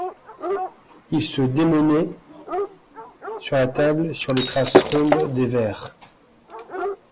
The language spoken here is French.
Il se démenait sur la table, sur les traces rondes des verres.